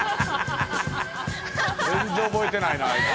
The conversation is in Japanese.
全然覚えてないなあいつ。